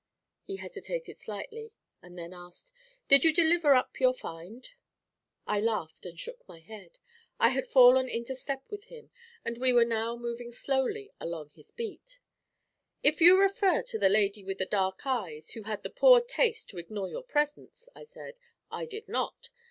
He hesitated slightly, and then asked, 'Did you deliver up your find?' I laughed and shook my head. I had fallen into step with him, and we were now moving slowly along his beat. 'If you refer to the lady with the dark eyes, who had the poor taste to ignore your presence,' I said, 'I did not.